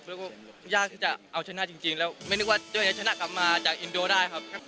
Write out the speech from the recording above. แล้วก็ยากที่จะเอาชนะจริงแล้วไม่นึกว่าตัวเองจะชนะกลับมาจากอินโดได้ครับ